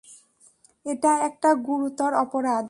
এটা একটা গুরুতর অপরাধ।